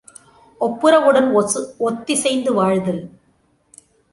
ஒப்புரவுடன் ஒத்திசைந்து வாழ்தல்.